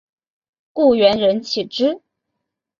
故园人岂知？